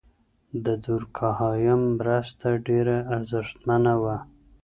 د دورکهایم مرسته ډیره ارزښتمنه وه.